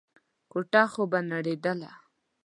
کوټه خو به نړېدله.